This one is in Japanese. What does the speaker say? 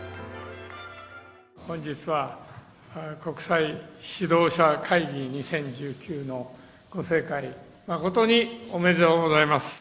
本日は国際指導者会議２０１９のご盛会、誠におめでとうございます。